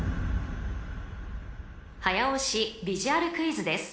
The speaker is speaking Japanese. ［早押しビジュアルクイズです］